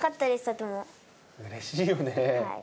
うれしいよね。